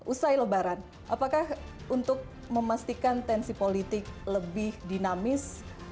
usai lebaran apakah untuk memastikan tensi politik lebih dinamis